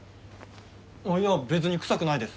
あっいや別に臭くないです。